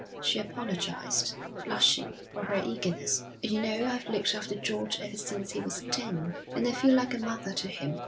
She apologised, blushing, for her eagerness. 'You know, I've looked after George ever since he was ten, and I feel like a mother to him.